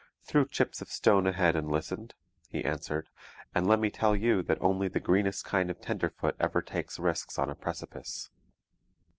'Threw chips of stone ahead and listened,' he answered, 'and let me tell you that only the greenest kind of tenderfoot ever takes risks on a precipice.'